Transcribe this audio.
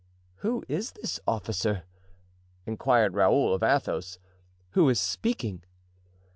"Who is this officer," inquired Raoul of Athos, "who is speaking?"